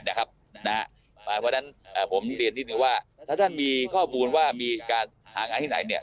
เพราะฉะนั้นผมเรียนนิดนึงว่าถ้าท่านมีข้อมูลว่ามีการหางานที่ไหนเนี่ย